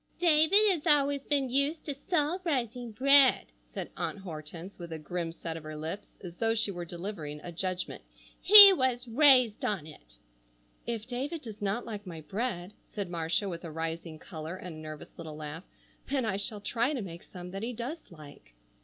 "David has always been used to salt rising bread," said Aunt Hortense with a grim set of her lips as though she were delivering a judgment. "He was raised on it." "If David does not like my bread," said Marcia with a rising color and a nervous little laugh, "then I shall try to make some that he does like."